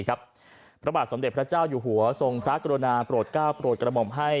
พระบาทสมเด็จพระเจ้าอยู่หัวทรงพระกรุณาโปรดก้าวโปรดกระหม่อมให้